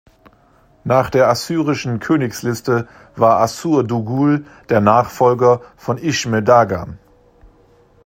Nach der assyrischen Königsliste war Aššur-dugul der Nachfolger von Išme-Dagan.